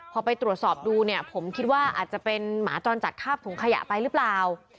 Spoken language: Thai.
พอไปตรวจสอบดูเนี่ยผมคิดว่าอาจจะเป็นหมาจรจัดคาบถุงขยะไปหรือเปล่า